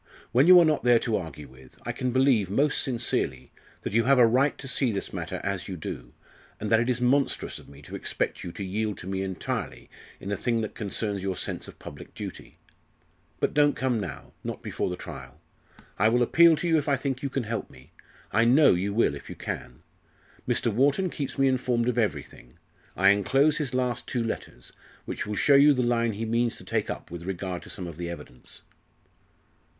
When you are not there to argue with, I can believe, most sincerely, that you have a right to see this matter as you do, and that it is monstrous of me to expect you to yield to me entirely in a thing that concerns your sense of public duty. But don't come now not before the trial. I will appeal to you if I think you can help me. I know you will if you can. Mr. Wharton keeps me informed of everything. I enclose his last two letters, which will show you the line he means to take up with regard to some of the evidence."